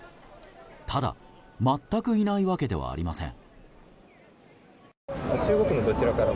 ただ、全くいないわけではありません。